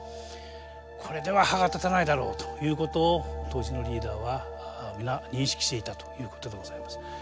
「これでは歯が立たないだろう」ということを当時のリーダーは皆認識していたということでございます。